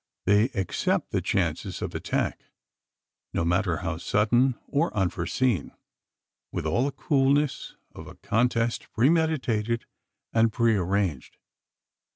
They accept the chances of attack no matter how sudden or unforeseen with all the coolness of a contest premeditated and prearranged.